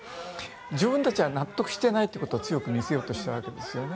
自分たちは納得していないということを強く見せようとしたわけです。